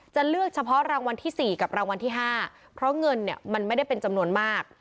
เลือกเฉพาะรางวัลที่๔กับรางวัลที่๕เพราะเงินเนี่ยมันไม่ได้เป็นจำนวนมาก